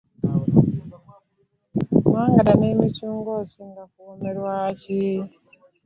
Mangada n'emicungwa osinga kuwoomerwa ki?